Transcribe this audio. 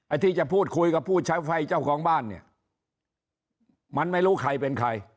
ที่จะพูดคุยกับผู้ใช้ไฟเจ้าของบ้านเนี่ยมันไม่รู้ใครเป็นใคร